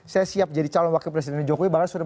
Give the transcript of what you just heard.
saya siap jadi calon wakil presiden jokowi bahkan sudah